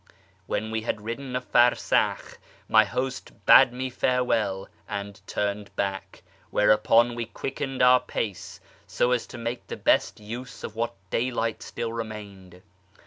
When we had ridden 2l farsalch, my host bade me farewell and turned back, whereupon we quickened our pace so as to make the best use of what daylight still remained.